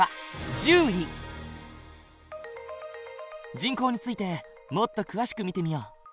人口についてもっと詳しく見てみよう。